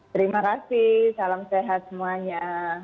terima kasih salam sehat semuanya